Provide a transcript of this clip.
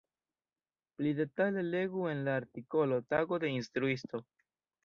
Pli detale legu en la artikolo Tago de instruisto.